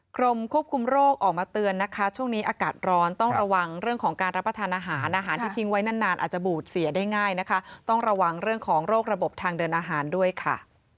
กรมควบคุมโรคออกมาเตือนนะคะช่วงนี้อากาศร้อนต้องระวังเรื่องของการรับประทานอาหารอาหารที่ทิ้งไว้นานนานอาจจะบูดเสียได้ง่ายนะคะต้องระวังเรื่องของโรคระบบทางเดินอาหารด้วยค่ะ